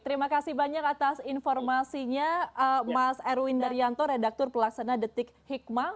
terima kasih banyak atas informasinya mas erwin daryanto redaktur pelaksana detik hikmah